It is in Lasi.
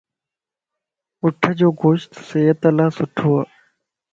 اُٺَ جو گوشت صحت لا سٺو ائي.